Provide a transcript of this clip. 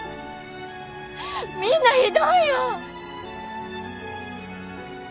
みんなひどいよ。